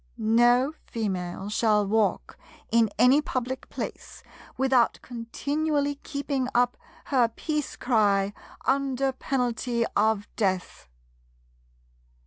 No Female shall walk in any public place without continually keeping up her Peace cry, under penalty of death.